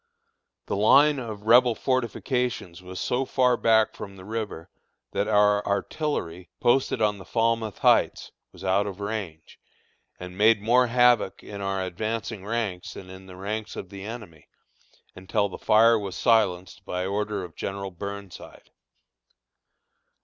The line of Rebel fortifications was so far back from the river, that our artillery, posted on the Falmouth Heights, was out of range, and made more havoc in our advancing ranks than in the ranks of the enemy, until the fire was silenced by order of General Burnside.